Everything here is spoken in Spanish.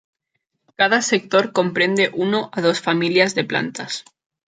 Cada sector comprende uno a dos familias de plantas.